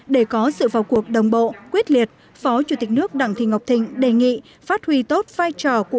để có sự vào cuộc đồng bộ quyết liệt phó chủ tịch nước đặng thị ngọc thịnh đề nghị phát huy tốt vai trò của